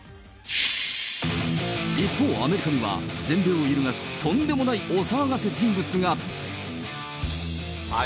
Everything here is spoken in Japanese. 一方、アメリカには、全米を揺るがすとんでもないお騒がせ人物が。